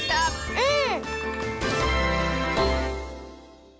うん！